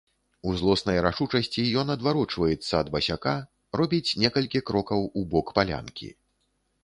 У злоснай рашучасці ён адварочваецца ад басяка, робіць некалькі крокаў у бок палянкі.